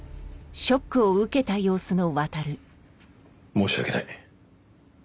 申し訳ない。